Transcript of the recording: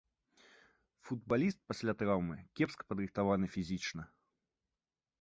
Футбаліст пасля траўмы кепска падрыхтаваны фізічна.